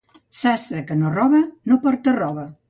Sastre que no roba no porta roba.